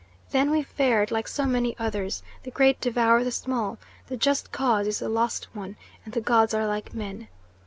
Then we fared like so many others the great devour the small, the just cause is the lost one, and the gods are like men.